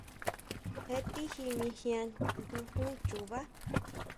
Je tiji mijian, nyujún chubá.